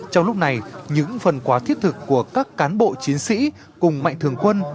trong lúc này những phần quà thiết thực của các cán bộ chiến sĩ cùng mạnh thường quân